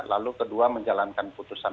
lalu kedua menjalankan putusan